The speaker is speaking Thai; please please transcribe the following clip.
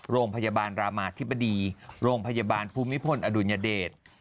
โรงพยาบาลรามาธิบดีโรงพยาบาลภูมิพลอดุลยเดช